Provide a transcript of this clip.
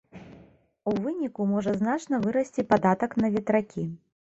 У выніку можа значна вырасці падатак на ветракі.